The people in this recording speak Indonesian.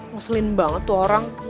ngeselin banget tuh orang